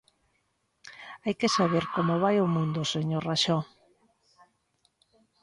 Hai que saber como vai o mundo, señor Raxó.